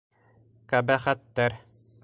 - Ҡәбәхәттәр!